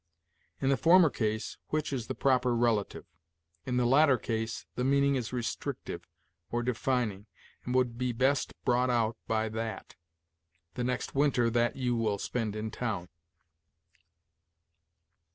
In the former case, 'which' is the proper relative; in the latter case, the meaning is restrictive or defining, and would be best brought out by 'that': 'the next winter that you will spend in town.'